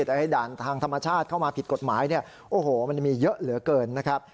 แต่ให้ด่านทางธรรมชาติเข้ามาผิดกฎหมายเนี่ยโอ้โหมันมีเยอะเหลือเกินนะครับ